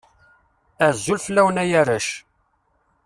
Azul fell-awen a arrac.